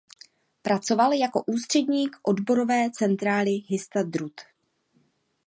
Pracoval jako úředník odborové centrály Histadrut.